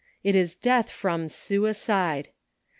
It is death from Suicide.